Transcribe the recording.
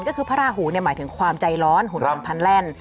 ก็คือพระราหูหมายถึงความใจร้อนหุ่นลำพันแลนด์